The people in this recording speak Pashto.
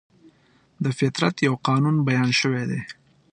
د فطرت یو قانون بیان شوی دی.